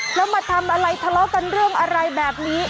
แล้วมาทำอะไรทะเลาะกันเรื่องอะไรแบบนี้